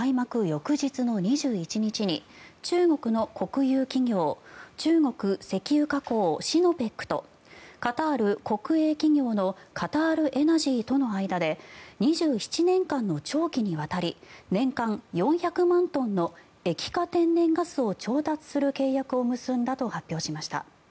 翌日の２１日に中国の国有企業中国石油化工シノペックとカタール国営企業のカタールエナジーとの間で２７年間の長期にわたり年間４００万トンの液化天然ガスを調達する契約を結んだと発表しました。